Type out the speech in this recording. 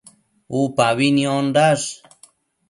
Upabi niondash